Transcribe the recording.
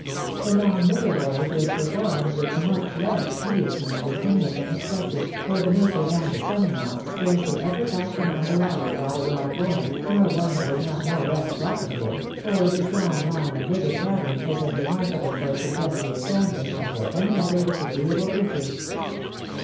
The long river voyage was performed with much less tediousness than any of them expected, for the major and his son in law scarcely ever passed an idle hour while they were on board, nor one that was not more or less profitable, for this long line of river travelUng is as remarkable for its industrious gambling, as for any other of its agreeable features.